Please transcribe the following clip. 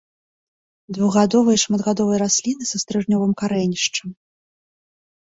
Двухгадовыя і шматгадовыя расліны са стрыжнёвым карэнішчам.